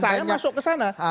saya masuk ke sana